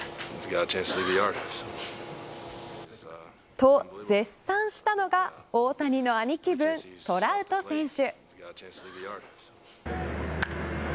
と、絶賛したのが大谷の兄貴分トラウト選手。